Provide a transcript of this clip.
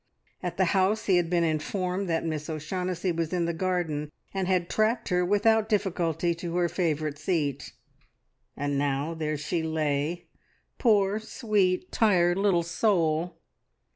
At the house he had been informed that Miss O'Shaughnessy was in the garden, and had tracked her without difficulty to her favourite seat, and now there she lay, poor, sweet, tired little soul!